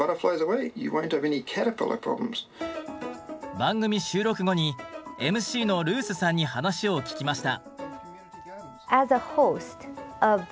番組収録後にＭＣのルースさんに話を聞きました。